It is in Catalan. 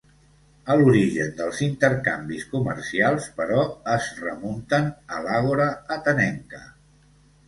Els orígens dels intercanvis comercials, però, es remunten a l'àgora atenenca.